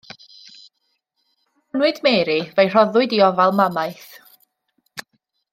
Pan anwyd Mary, fe'i rhoddwyd i ofal mamaeth.